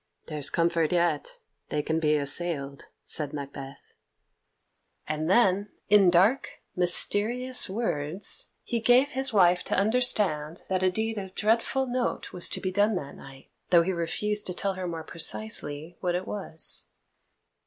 "There's comfort yet; they can be assailed," said Macbeth; and then, in dark, mysterious words, he gave his wife to understand that a deed of dreadful note was to be done that night, though he refused to tell her more precisely what it was.